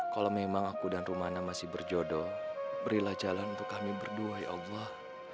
kalau memang aku dan rumana masih berjodoh berilah jalan untuk kami berdua ya allah